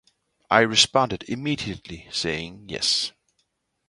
I responded immediately saying yes.